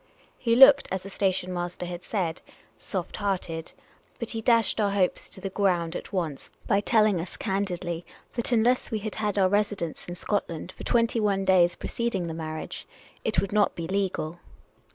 He looked, as the station master had said, " soft hearted "; but he dashed our hopes to the ground at once by telliug us 312 Miss Caylcy's Adventures candidly that unless we had had our residence in Scotland for twenty one days preceding the marriage, it would not be legal.